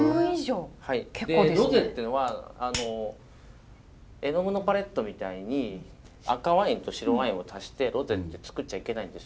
ロゼっていうのは絵の具のパレットみたいに赤ワインと白ワインを足して作っちゃいけないんです。